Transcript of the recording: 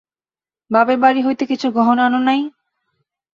বাপের বাড়ি হইতে কিছু গহনা আন নাই?